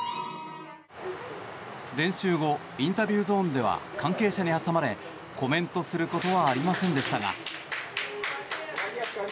練習後、インタビューゾーンでは関係者に挟まれコメントすることはありませんでしたが。